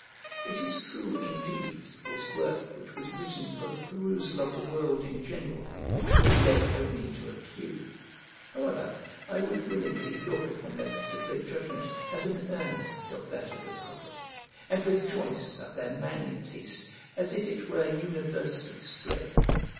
It is true, indeed, this work, which was written for the perusal of the world in general, was read only to a few; however, I would willingly look upon their particular judgment as an earnest of that of the public, and rejoice at their manly taste as if it were universally spread.